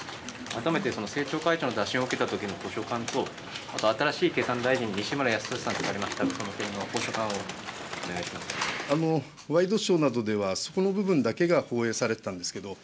改めて政調会長の打診を受けたときのご所感と、あと新しい経産大臣の西村康稔さんになりましたが、ワイドショーなどでは、そこの部分だけが放映されてたんですけれども、